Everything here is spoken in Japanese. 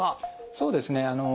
そうですね